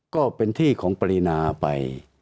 ก็เป็นที่ของปรินาไป